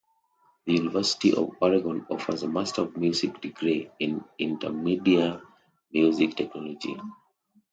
The University of Oregon offers a Master of Music degree in Intermedia Music Technology.